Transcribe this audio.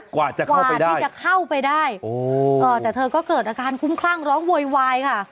กว่าจะกว่าที่จะเข้าไปได้แต่เธอก็เกิดอาการคุ้มคลั่งร้องโวยวายค่ะ